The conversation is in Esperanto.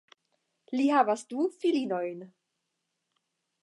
Li havas du filinojn.